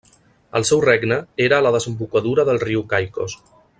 El seu regne era a la desembocadura del riu Caicos.